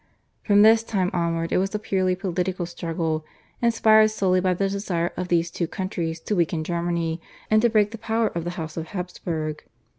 From this time onward it was a purely political struggle, inspired solely by the desire of these two countries to weaken Germany and to break the power of the House of Habsburg.